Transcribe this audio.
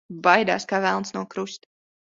Baidās kā velns no krusta.